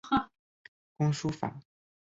工书法。